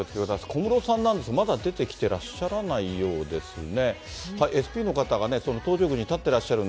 小室さんなんですが、まだ出てきてらっしゃらないようですね。